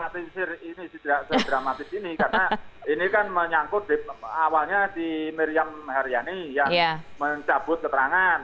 ini tidak sedramatis ini karena ini kan menyangkut awalnya si miriam haryani yang mencabut keterangan